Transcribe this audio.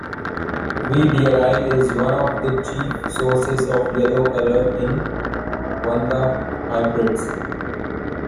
"V. dearei" is one of the chief sources of yellow color in "Vanda" hybrids.